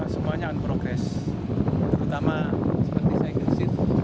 semuanya on progress terutama seperti single seat